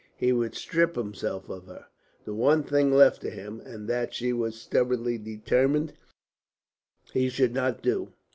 He would strip himself of her, the one thing left to him, and that she was stubbornly determined he should not do.